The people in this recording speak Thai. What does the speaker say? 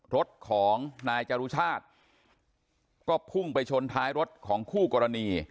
รถของนายจรุชาติก็พุ่งไปชนท้ายรถของคู่กรณี